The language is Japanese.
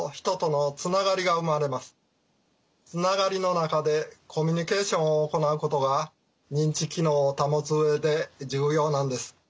つながりの中でコミュニケーションを行うことが認知機能を保つ上で重要なんです。